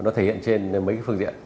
nó thể hiện trên mấy phương diện